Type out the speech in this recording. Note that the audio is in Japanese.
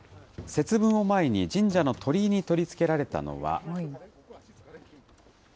節分を前に、神社の鳥居に取り付けられたのは。